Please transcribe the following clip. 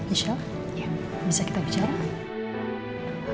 insya allah bisa kita bicara